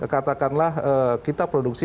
katakanlah kita produksi